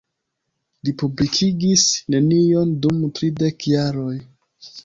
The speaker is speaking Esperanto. Li publikigis nenion dum tridek jaroj.